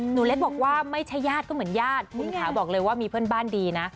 เล็กบอกว่าไม่ใช่ญาติก็เหมือนญาติคุณขาบอกเลยว่ามีเพื่อนบ้านดีนะ